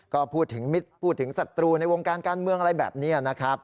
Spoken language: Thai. ก็พูดถึงมิตรพูดถึงศัตรูในวงการการเมืองอะไรแบบนี้นะครับ